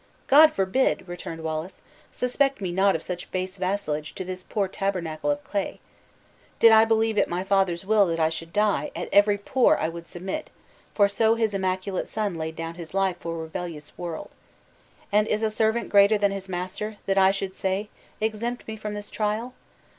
"God forbid!" returned Wallace; "suspect me not of such base vassalage to this poor tabernacle of clay. Did I believe it my Father's will that I should die at every pore I would submit, for so his immaculate Son laid down his life for a rebellious world. And is a servant greater than his master, that I should say, Exempt me from this trial?